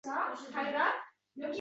Podsho odil bo’lmas, degan